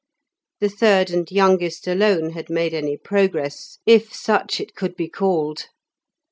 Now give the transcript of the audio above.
The third and youngest alone had made any progress, if such it could be called.